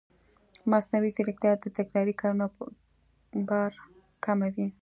مصنوعي ځیرکتیا د تکراري کارونو بار کموي.